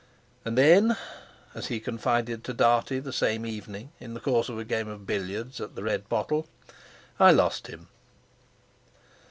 "And then," as he confided to Dartie the same evening in the course of a game of billiards at the Red Pottle, "I lost him."